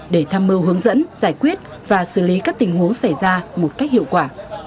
để tham mưu hướng dẫn giải quyết và xử lý các tình huống xảy ra một cách hiệu quả